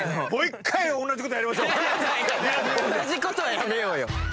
同じことはやめようよ。